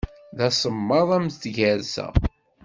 D asemmaḍ am tgersa.